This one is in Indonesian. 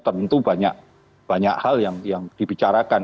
tentu banyak hal yang dibicarakan